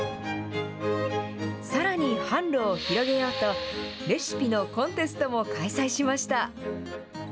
さらに、販路を広げようと、レシピのコンテストも開催しました。